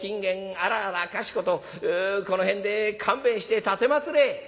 あらあらかしことこの辺で勘弁して奉れ」。